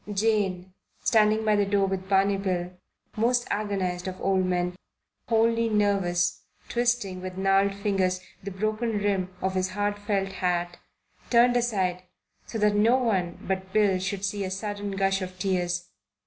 Jane, standing by the door with Barney Bill, most agonized of old men, wholly nervous, twisting with gnarled fingers the broken rim of his hard felt hat, turned aside so that no one but Bill should see a sudden gush of tears.